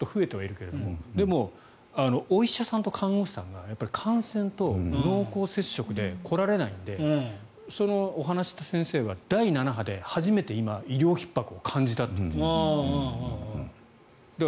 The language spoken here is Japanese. だけどお医者さんと看護師さんが感染と濃厚接触で来られないのでそのお話をした先生は第７波で初めて今、医療ひっ迫を感じたと言ってました。